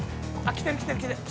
来てる来てる。